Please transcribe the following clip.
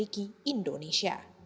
dan setelah itu memiliki indonesia